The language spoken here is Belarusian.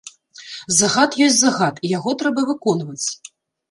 Загад ёсць загад і яго трэба выконваць.